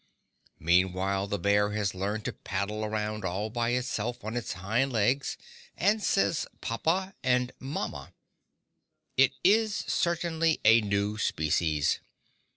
Meantime the bear has learned to paddle around all by itself on its hind legs, and says "poppa" and "momma." It is certainly a new species.